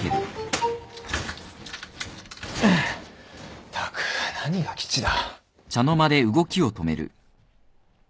ったく何が基地だ。